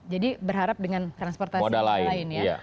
jadi berharap dengan transportasi lain ya